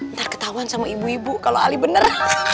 ntar ketauan sama ibu ibu kalo ali bener